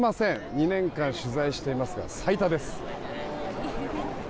２年間取材していますが最多です。